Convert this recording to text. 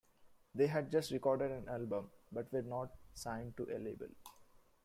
They had just recorded an album, but were not signed to a label.